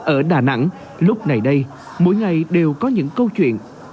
ở đà nẵng lúc này đây mỗi ngày đều có những câu chuyện ấm áp như thế